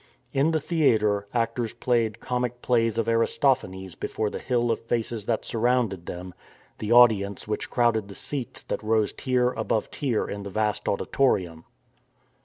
In the theatre actors played comic plays of Aristoph anes before the hill of faces that surrounded them, the audience which crowded the seats that rose tier above tier in the vast auditorium.